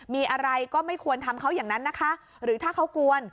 มีอะไรก็ไม่ควรทำเขาอย่างนั้นนะคะหรือถ้าเขากวน